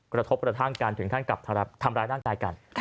กระทบกระทั่งกันถึงขั้นกับทำร้ายร่างกายกัน